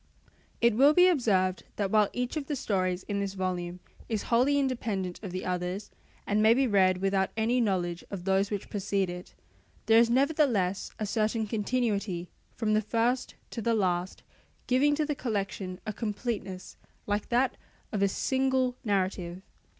It will be observed that while each of the stories in this volume is wholly independent of the others and may be read without any knowledge of those which precede it, there is nevertheless a certain continuity from the first to the last, giving to the collection a completeness like that of a single narrative.